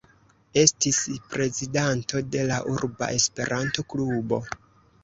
Estis prezidanto de la urba E-klubo.